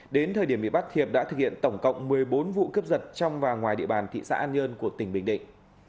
đến thời điểm bị bắt hiệp đã thực hiện tổng cộng một mươi bốn vụ cướp giật trong và ngoài địa bàn thị xã an nhơn của tỉnh bình định